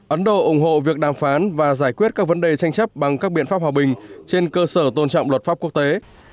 ấn độ ủng hộ việc đàm phán và giải quyết các vấn đề tranh chấp bằng các biện pháp hòa bình trên cơ sở tôn trọng luật pháp quốc tế